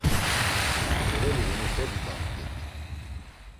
Eveli himute bzdamt̆it.